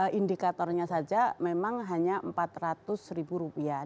kalau indikatornya saja memang hanya empat ratus ribu rupiah